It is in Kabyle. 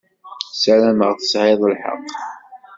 Sarameɣ tesɛiḍ lḥeqq.